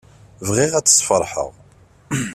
Bɣiɣ ad tt-sfeṛḥeɣ.